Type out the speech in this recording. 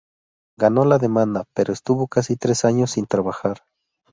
Ganó la demanda pero estuvo casi tres años sin trabajar.